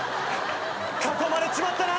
囲まれちまったな。